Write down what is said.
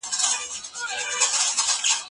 دا نجونې له کومو سیمو څخه راوستل شوې وې؟